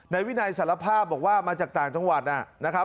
นายวินัยสารภาพบอกว่ามาจากต่างจังหวัดนะครับ